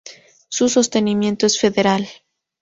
Su sostenimiento es Federal.